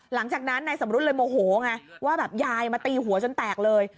หลังจากนั้นนายสำรุษเลยโมโหไงว่าแบบยายมาตีหัวจนแตกเลย